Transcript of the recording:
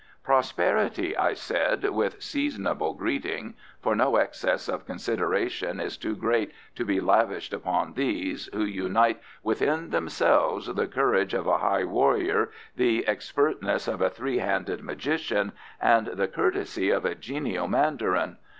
"Prosperity," I said, with seasonable greeting. (For no excess of consideration is too great to be lavished upon these, who unite within themselves the courage of a high warrior, the expertness of a three handed magician, and the courtesy of a genial mandarin.)